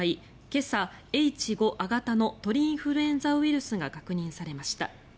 今朝、Ｈ５亜型の鳥インフルエンザウイルスが確認されました。